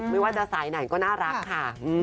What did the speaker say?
ไม่ว่าจะสายไหนก็น่ารักค่ะ